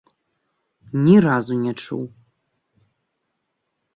Ні разу не чуў.